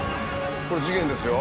これ事件ですよ。